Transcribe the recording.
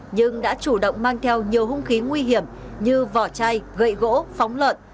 nhưng đã chủ động mang theo nhiều hung khí nguy hiểm như vỏ chai gậy gỗ phóng lợn